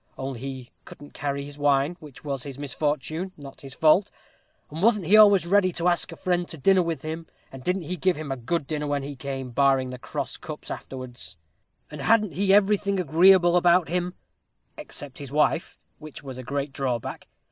only he couldn't carry his wine, which was his misfortune, not his fault. And wasn't he always ready to ask a friend to dinner with him? and didn't he give him a good dinner when he came, barring the cross cups afterwards? And hadn't he everything agreeable about him, except his wife? which was a great drawback.